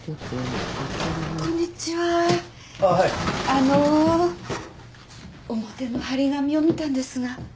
あの表の張り紙を見たんですが。